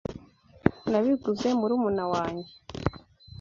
Nabiguze murumuna wanjye.